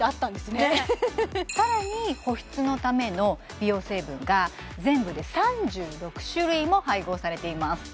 ねっさらに保湿のための美容成分が全部で３６種類も配合されています